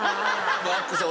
アッコさん